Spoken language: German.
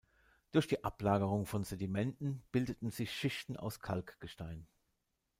Durch die Ablagerung von Sedimenten bildeten sich Schichten aus Kalkgestein.